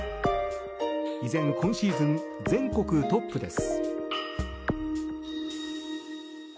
依然今シーズン全国トップです。